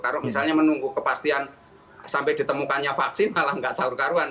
kalau misalnya menunggu kepastian sampai ditemukannya vaksin malah nggak taruh taruhan